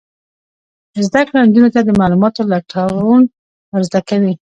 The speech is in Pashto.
زده کړه نجونو ته د معلوماتو لټون ور زده کوي.